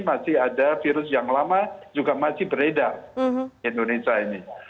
masih ada virus yang lama juga masih beredar di indonesia ini